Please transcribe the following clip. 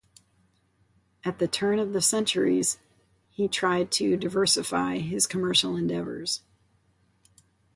At the turn of the centuries he tried to diversify his commercial endeavors.